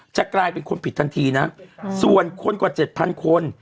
จะกลายเป็นคนผิดทันทีนะส่วนคนกว่า๗๐๐คน